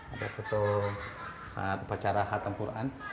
ada foto saat baca rahat al quran